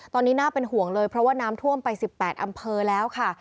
ตอนนี้น่าเป็นห่วงเลยเพราะว่าน้ำท่วมไป๑๘อำเภอแล้วค่ะ